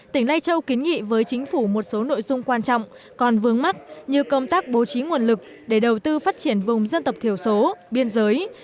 tỉnh lai châu kiến nghị với chính phủ một số nội dung quan trọng còn vướng mắt như công tác bố trí nguồn lực để đầu tư phát triển vùng dân tộc thiểu số biên giới